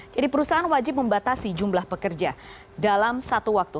jadi perusahaan wajib membatasi jumlah pekerja dalam satu waktu